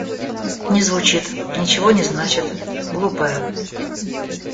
Не звучит, ничего не значит, глупое.